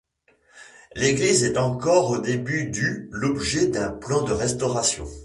L'église est encore au début du l'objet d'un plan de restauration.